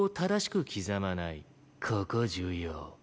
ここ重要。